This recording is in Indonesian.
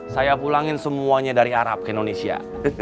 saya pulangin semuanya dari arab ke indonesia